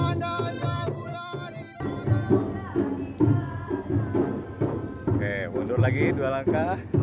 oke mundur lagi dua langkah